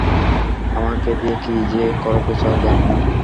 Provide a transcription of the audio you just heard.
আমাকে দিয়ে কি যে করাতে চাও জানি না।